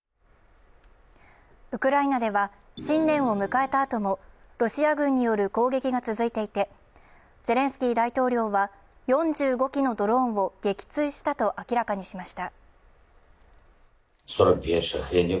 ウクライナでは新年を迎えたあともロシア軍による攻撃が続いていてゼレンスキー大統領は、４５機のドローンを撃墜したと明らかにしました。